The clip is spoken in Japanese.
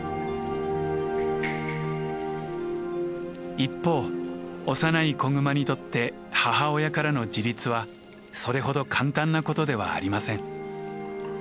一方幼い子グマにとって母親からの自立はそれほど簡単なことではありません。